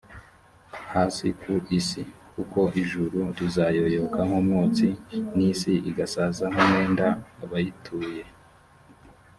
hasi ku isi kuko ijuru rizayoyoka nk umwotsi n n isi igasaza nk umwenda abayituye